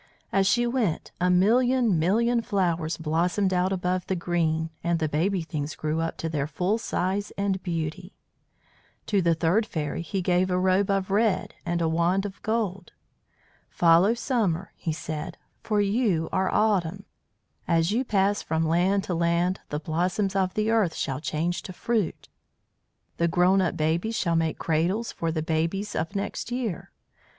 As she went a million million flowers blossomed out above the green, and the baby things grew up to their full size and beauty. To the third fairy he gave a robe of red and a wand of gold. "Follow Summer," he said, "for you are Autumn. As you pass from land to land the blossoms of the earth shall change to fruit; the grown up babies shall make cradles for the babies of next year.